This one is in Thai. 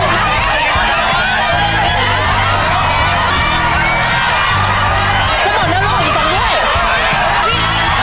เร็วรีบข้างรีบข้าง